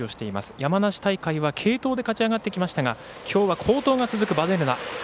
山梨大会は継投で勝ち上がってきましたがきょうは、好投が続くヴァデルナ。